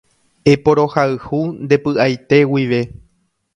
Eporohayhu nde py'aite guive